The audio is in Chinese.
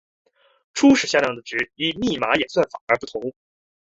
初始向量的值依密码演算法而不同。